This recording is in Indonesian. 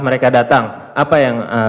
mereka datang apa yang